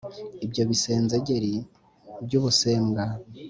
ibyo bisenzegeri by’ubusembwa